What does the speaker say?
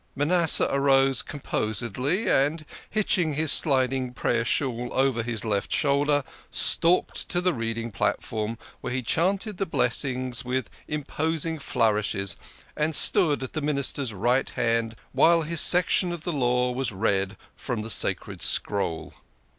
Manasseh arose com posedly, and, hitching his sliding prayer shawl over his left shoulder, stalked to the reading platform, where he chanted the blessings with imposing flourishes, and stood at the Minister's right hand while his section of the Law was read from the sacred scroll.